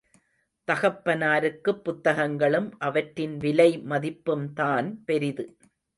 தகப்பனாருக்குப் புத்தகங்களும் அவற்றின் விலை மதிப்பும்தான் பெரிது.